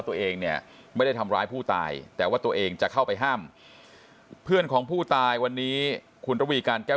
ตอนที่มันแย่งกันครับมันชวนละมุนช่วงนั้น